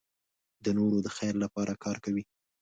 د نورو د خیر لپاره کار کوي.